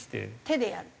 手でやる？